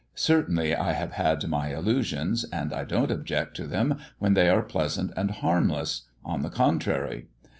Certainly I have had my illusions, and I don't object to them when they are pleasant and harmless on the contrary.